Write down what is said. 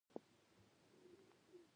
رومیان له بارو سره هم پخېږي